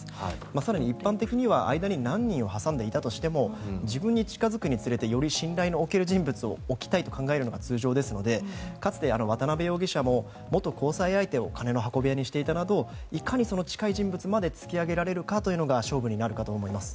更に、一般的には間に何人を挟んでいたとしても自分に近付くにつれてより信頼のおける人物を置きたいと思うのが通常ですのでかつて渡邉容疑者も元交際相手を金の運び屋にしていたなどいかに近い人物まで突き上げられるかが焦点になるかと思います。